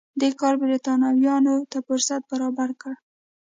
دې کار برېټانویانو ته فرصت برابر کړ.